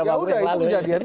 ya sudah itu kejadiannya